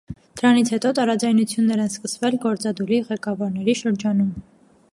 Դրանից հետո տարաձայնություններ են սկսվել գործադուլի ղեկավարների շրջանում։